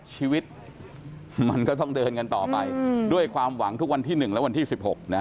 ชีวิตมันก็ต้องเดินกันต่อไปด้วยความหวังทุกวันที่๑และวันที่๑๖นะฮะ